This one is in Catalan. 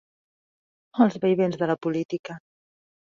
Els vaivens de la política.